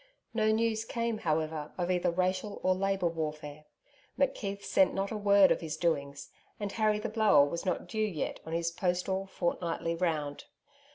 No news came, however, of either racial or labour warfare. McKeith sent not a word of his doings, and Harry the Blower was not due yet on his postal, fortnightly round.